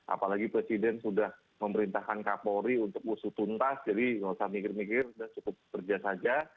apalagi presiden sudah memerintahkan kapolri untuk musuh tuntas jadi nggak usah mikir mikir sudah cukup kerja saja